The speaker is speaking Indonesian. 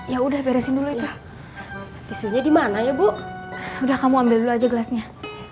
ya udah beresin dulu itu isunya dimana ya bu udah kamu ambil aja gelasnya